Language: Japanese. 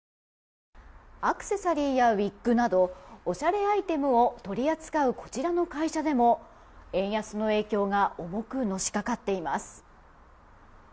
アクセサリーやウィッグなどおしゃれアイテムを取り扱うこちらの会社でも円安の影響が重くのしかかっています。